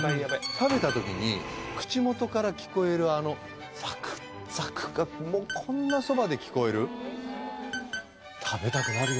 食べた時に口元から聞こえるあのザクザクがもうこんなそばで聞こえる食べたくなる！